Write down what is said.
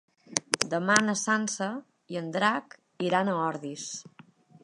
Demà na Sança i en Drac iran a Ordis.